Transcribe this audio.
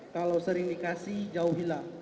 kalau sering dikasih jauhilah